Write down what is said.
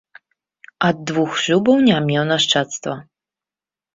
Ад двух шлюбаў не меў нашчадства.